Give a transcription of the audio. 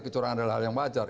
kecurangan adalah hal yang wajar